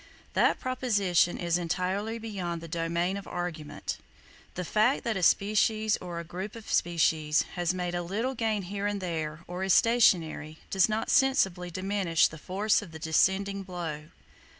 That proposition is entirely beyond the domain of argument. The fact that a species or a group of species has made a little gain here and there, or is stationary, does not sensibly diminish the force of the descending blow.